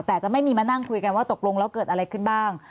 แต่จะไม่มีมานั่งคุยกันว่าตกลงแล้วเกิดอะไรขึ้นบ้าง